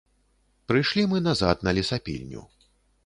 Прыйшлі мы назад на лесапільню.